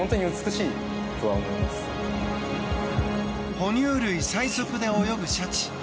哺乳類最速で泳ぐシャチ。